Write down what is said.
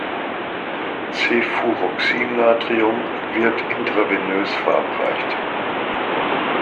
Cefuroxim-Natrium wird intravenös verabreicht.